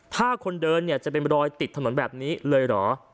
ถ้าคนเดินเนี่ยจะเป็นรอยติดถนนแบบนี้เลยเหรอ